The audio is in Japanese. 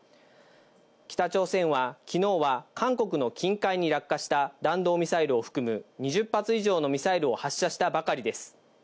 北朝鮮は昨日は韓国の近海に落下した弾道ミサイルを含む２０発以上のミサイルを発射したばかりです。